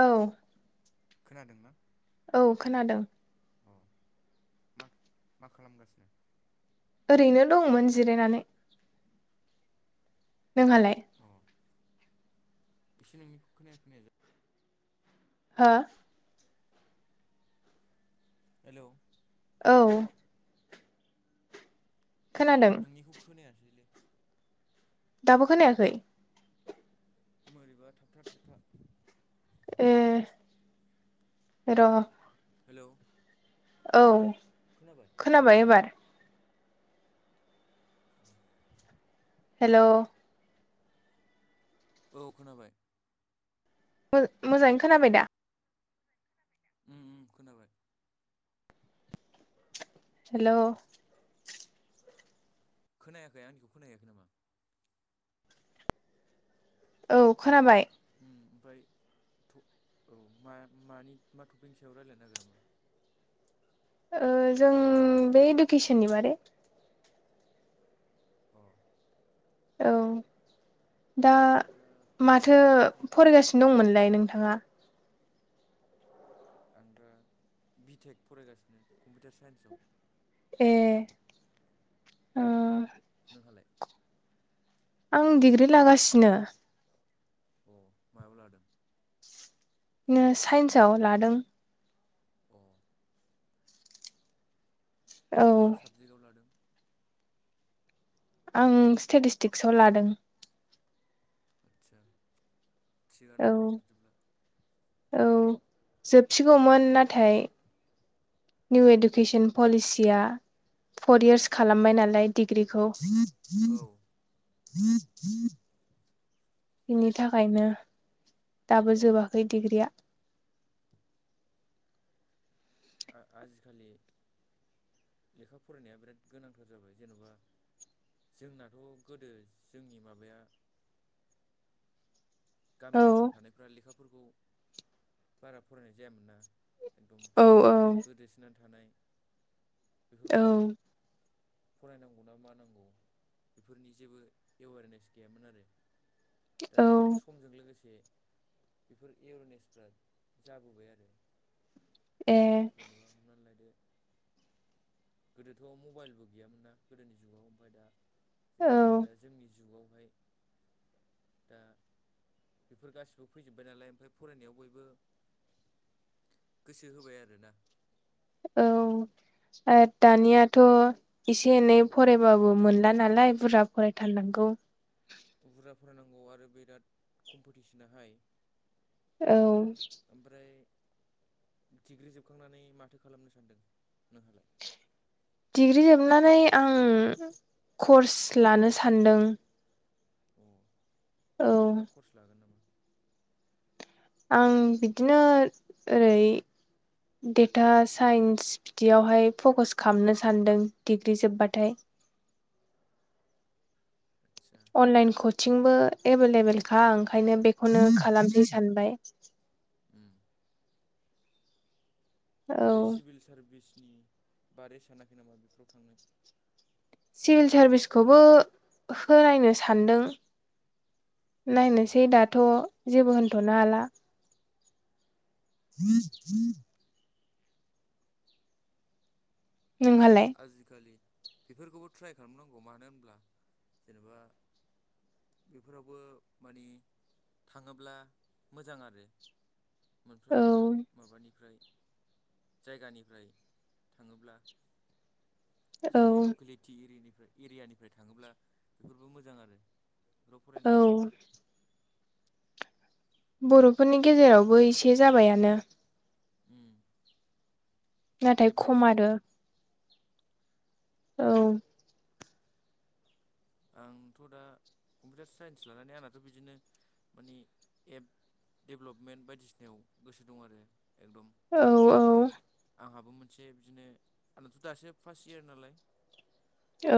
औ। खोनादों ना? औ खोनादों। अ मा मा खालामगासिनो? ओरैनो दंमोन जिरायनानै। नोंहालाय? अ इसे नोंनिखौ खोनाया खोनाया जा हो हेल' औ खोनादों निखौ खोनायासैलै दाबो खोनायाखै? मोरैबा थाबथा थुबथा। ए र' हेल' औ खोनाबाय? खोनाबाय एबार। [inaudible] हेल' औ खोनाबाय। मो-मोजाङै खोनाबाय दा? उम उम खोनाबाय। हेल' खोनायाखै आंनिखौ खोनायाखै नामा? औ खोनाबाय। उम ओमफ्राय थ' औ मा मानि मा थपिकनि सायाव रायजलायनो नागिरामोन? ओ जों बै इडुकेसननि बारै अ औ दा माथो इडुकेसनाथ' फरायगासिनो दंमोनलाय नोंथाङा? आं दा बिटेक फरायगासिनो कम्पिउटार साइन्सआव। ए ओं नोंहालाय? आं डिग्रि लागासिनो। अ मायाव लादों? नो साइन्सआव लादों। अ। औ मा साबजेक्टआव लादों? आं स्टेटिस्टिक्सआव लादों। आदसा थिगानो औ दं बिदिब्ला। औ जोबसिगौमोन नाथाय निउ इडुकेसन पलिसिया फर इयार्स खालामबाय नालाय डिग्रिखौ औ। [inaudible] इनि थाखायनो औ दाबो जोबाखै डिग्रिया आ आजिखालि लेखा फरायनाया बिराद गोनांथार जाबाय जेन'बा जोंनाथ गोदो जोंनि माबाया गामि औ ओनसोलाव थानायफ्रा लेखाफोरखौ बारा फरायनाय जायामोन ना एकदम औ औ गोदोसोनानै थानाय औ बेफोरबादि फरायनांगौ ना मा नांगौ बेफोरनि जेबो एवेरनेस गैयामोन आरो। दा औ समजों लोगोसे बेफोर एवारनेसफ्रा जाबोबाय आरो। ए जेनेबा हमनानै लायदो गोदोथ' मबाइलबो गैयामोनना गोदोनि जुगाव ओमफ्राय दा जेरैबायदि औ दा जोंनि जुगावहाय दा बेफोर गासिबो फैजोब्बाय नालाय ओमफ्राय फरायनायाव बयबो गोसो होबाय आरोना- औ आद दा दानियाथ' एसे एनै औ फरायबाय- यबाबो मोनला नालाय बुरजा फरायथारनांगौ। बुरजा फरायनांगौ आरो बिराद कम्पिटिसनहाय- औ। ओमफ्राय डिग्रि जोबखांनानै माथो खालामनो सानदों नोंहालाय- डिग्रि जोबनानै आं कर्स लानो सानदों। अ औ मानिबा कर्स लागोन नामा? आं बिदिनो ओरै डेटा साइन्स- दियावहाय फकास खालामनो सान्दों डिग्रि जोब्बाथाय। आदसा। अनलाइन कचिंबो एभेलेबेलखा ओंखायनो बेखौनो खालामनो सानबाय। ओम। औ ओरै सिभिल सारभिसनि बारै सानाखै नामा बेफोराव थांनो? सिभिल सारभिसखौबो होनायनो सानदों। उम नायनोसै दाथ' जेबो होनथ'नो हाला। [inaudible] नोंहालाय- आजिखालि बेफोरखौबो ट्राय खालामनांगौ मानो होनब्ला जेनेबा बेफोरावबो माने थाङोब्ला मोजां आरो। औ मोनफ्रोमबो माबानिफ्राय जायगानिफ्राय थाङोब्ला औ जोंनि लकेलेटि इरियानिफ्राय एरियानिफ्राय थाङोब्ला बेफोरबो मोजां आरो। बेफोराव फरायनो औ थांब्लाबो बर'फोरनि गेजेरावबो एसे जाबायानो। उम। नाथाय डेभेलप खम आरो। जाहांबाय औ आंथ' दा कम्पिउटार साइन्स लानानै आंनाथ' बिदिनो माने एप डेभलपमेन्ट बायदिसिनायाव गोसो दं आरो एकदम। औ - औ। आंहाबो मोनसे बिदिनो आंनाथ' दासो फार्स्ट इयार नालाय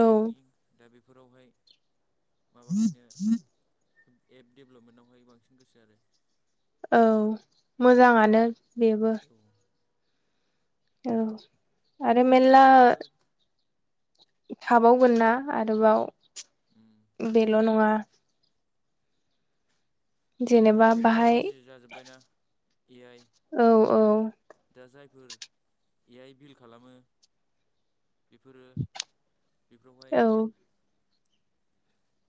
औ दा बेफोरावहाय माबाहैनो एप डेभलपमेन्टावहाय बांसिन गोसो आरो औ मोजाङानो बेबो औ। औ दा आरो मेेल्ला गासैयावबो थाबावगोन ना आरोबाव। ओम। बेल' नङा दाथ' जेनेबा बाहाय टेक्न'ल'जि जाजोब्बायना ए आइ औ औ। दा जायफोर एआइ बिल खालामो। बेफोरो बेफोरावहाय औ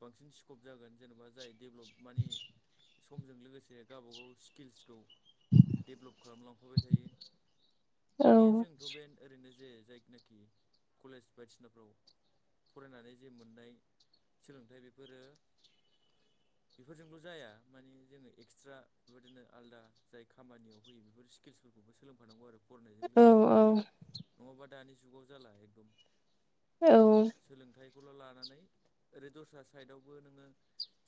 बांसिन स्कप जागोन जेनेबा जाय डेभलप माने समजों लोगोसे गावबा गाव स्किल्सखौ डेभ्लप खालामलांफाबाय थायो औ माने जोंथ बे ओरैनो जे जायखनाखि कलेज बायदिसिनाफ्राव फरायनानै जे मोननाय सोलोंथाइ बेफोरो बेफोरजोंल' जाया मानि जोंङो एक्सट्रा बेबादिनो आलादा जाय खामानियाव होयो बेफोर स्किल्सफोरखौबो सोंफानांगौ आरो फरायनायजों औ लोगोसे औ नङाबा दानि जुगाव जाला एकदम औ सोलोंथाइखौल' लानानै ओरै दस्रा साइदावबो नोंङो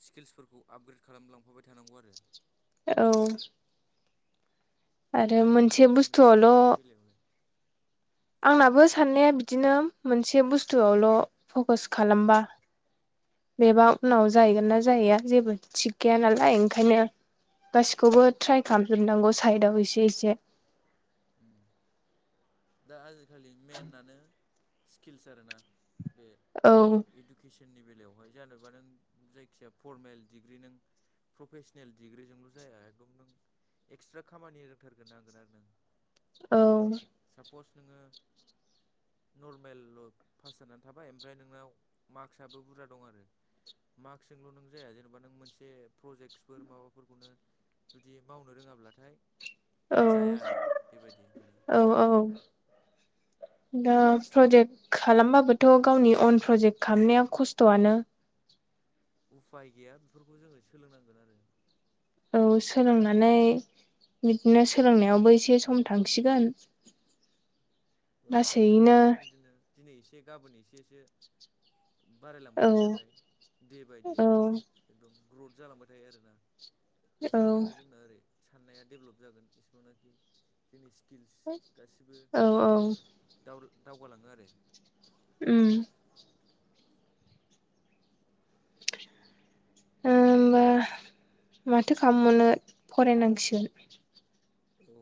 स्किल्सफोरखौ आपग्रेड खालामलांफाबाय थानांगौ आरो। ओ औ आरो दा नोंथाङा मोनसे मा सानो बे बुस्थुआवल' बेनि बेलायावलाय आंनाबो साननाया बिदिनो मोनसे बुस्थुआवल' फकास खालामबा बेबा उनाव जाहैगोन ना जाहैया जेबो थिग गैया नालाय ओंखायनो गासिखौबो ट्राइ खालामजोबनांगौ साइडआव एसे एसे होम दा आजिखालि मेनानो स्किल्स आरोना बे औ इडुकेसननि बेलायावहाय जेनबा नों जायखिजाया फरमेल डिग्रि नों प्रफेसनेल डिग्रिजोंल' जाया एखदम नों एक्सट्रा खामानि रोंथारग्रोनांगोन आरो नों औ साप'स नोंङो नरमेल' पास जानानै थाबाय ओमफ्राय नोंनाव मार्कसाबो बुरजा दं आरो मार्कसजोंल' नों जाया जेनेबा नों मोनसे प्रजेक्टसफोर माबाफोरखौनो जुदि मावनो रोङाब्लाथाय औ जाया आरो बेबायदि माने औ औ [unintelligible] दा प्रजेक्ट खालामबाबोथ' गावनि अन प्रजेक्ट खामनाया खस्थ'आनो उफाय गैया बेफोरखौ जोङो सोलोंनांगोन आरो औ सोलोंनानै बिदिनो सोलोंनायावबो एसे सम थांसिगोन औ लासैनो सोलोंनायाथ' बिदिनो दिनै एसे गाबोन एसे सो बारायलांबाय औ थायो नालाय दे बाय दे औ एकदम ग्रथ जालांबाय थायो आरोना औ जेसेबांनाखि जोंना ओरै साननाया डेभलप जागोन एसेबांनाखि जोंनि स्किल्स गासिबो औ औ दावर-दावगालाङो आरो उम ओ होमबा माथो खालाम बावनो फरायनांसिगोन औ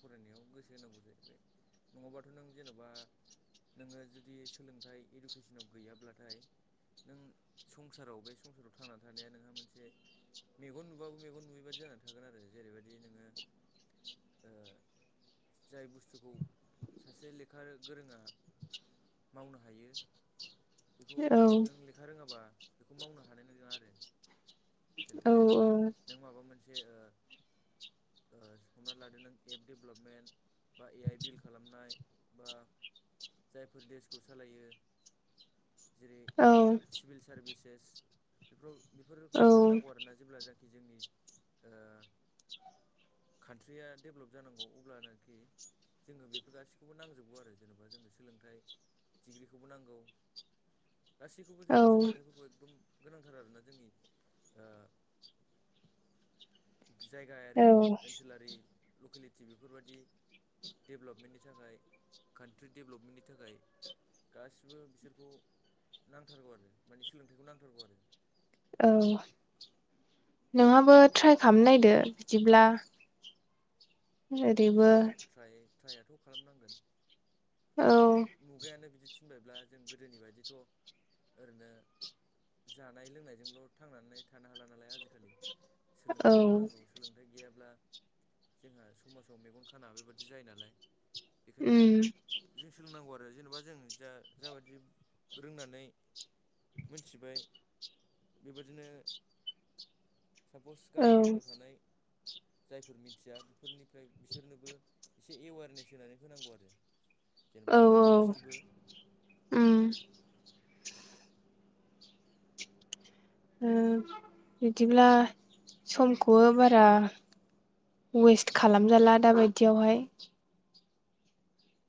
फरायनायाव गोसो होनांगौ जाहैबाय नङाबाथ' नों जेन'बा नोङो जुदि सोलोंथाइ इडुकेसनाव गैयाब्लाथाय नों संसाराव बे संसाराव थांनानै थानाया नोंहा मोनसे मेगन नुबाबो मेगन नुयैबादि जानानै थागोन आरो जेरैबायदि नोङो ओ जाय बुस्थुखौ सासे लेखा गोरोङा मावनो हायो बेखौ औ नों लेखा रोङाबा बेखौ मावनो हानाय नङा आरो औ जेनेबा नों माबा मोनसे ओ ओ हमना लादो नों एप डेभेलपमेन्ट बा ए आइ बिल खालामनाय बा जायफोर देसखौ सालायो जेरै औ सिभिल सारभिसेस बेफोराव बेफोरखौ जों नांगौ औ आरोना जेब्ला जा खि जोंनि ओ कान्ट्रिया डेभलप जानांगौ अब्लानोखि जोङो बेफोर गासैखौबो नांजोबगौ आरो जेनेबा जोंनो सोलोंथाइ दिग्रि खौबो नांगौ गासैखौबो औ जोंनो सोलोंथाइफोरखौ एकदम गोनांथार आरोना जोंनि आ जायगायारि औ ओनसोलारि लकेलिटि बेफोरबादि डेभेलपमेन्टनि थाखाय कान्ट्रि डेभेलपमेन्टनि थाखाय गासिबो बिसोरखौ नांथारगौ आरो माने सोलोंथाइखौ नांथारगौ आरो औ नोंहाबो ट्राइ खालामनायदो बिदिब्ला [unintelligible] औ ट्राइ ट्राइआथ खालामनांगोन औ दा मुगायानो बिदि थिनबायब्ला जों गोदोनि बायदिथ ओरैनो जानाय लोंनायजोंल थांनानै थानो हाला नालाय आजिखालि औ सोलोंथाइखौबो नांगौ। सोलोंथाइ गैयाब्ला जोंहा समाजाव मेगन खाना बेबादि जायो नालाय बेखायनो उम जों सोलोंनांगौ आरो जेनेबा जों जा जाबादि रोंनानै मिथिबाय बेबादिनो सापस औ गामि ओनसोलाव थानाय जायफोर मिथिया बेफोरनिफ्राय बिसोरनोबो एसे एवेरनेस होनानै होनांगौ आरो औ जेनबा जाहाते बिसोरबो उम उम बिदिब्ला समखौबो बारा वेस्ट खालामजाला दाबायदियावहाय।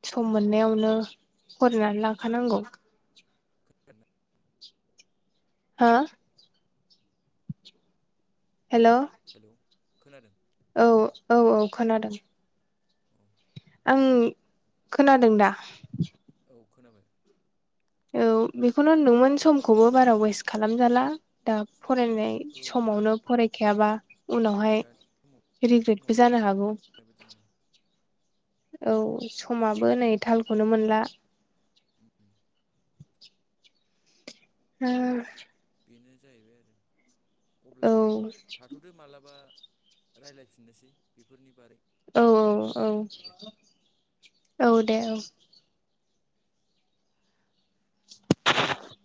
सम मोननायावनो फरायनानै लाखानांगौ। [unintelligible] हो? हेल'। हेलौ खोनादों? औ। औ औ खोनादों। अ। आं, खोनादों दा? औ खोनाबाय। औ। बेखौनो होन्दोंमोन समखौबो बारा वेस्ट खालामजाला, दा फरायनाय औ समावनो दा फरायखायाबा उनावहाय दानि समाव रिग्रेटबो समाबो थाब जानो थाब हागौ। बारनाय बायदि मोनो औ। समाबो नै थालखौनो मोनला। उम। उम। बेनो जाहैबाय आरो। औ अब्ला थाथ'दो मालाबा रायलायफिननोसै बेफोरनि बारै। औ औ औ। दे औ दे औ। [unintelligible]